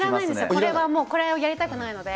これはもう、これはやりたくないので。